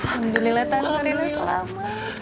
alhamdulillah tante rina selamat